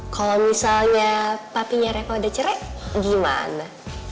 kalau misalnya papinya rekor udah cerai gimana